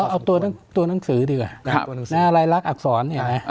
เอาตัวหนังสือดีกว่าในลายลักษณ์อักษร